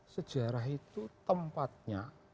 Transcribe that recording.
sejarah itu tempatnya